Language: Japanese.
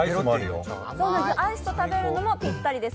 そうです、アイスと食べるのもぴったりです。